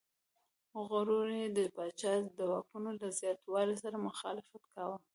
غړو یې د پاچا د واکونو له زیاتوالي سره مخالفت کاوه.